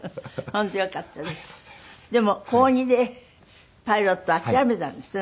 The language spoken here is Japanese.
でも高２でパイロット諦めたんですって？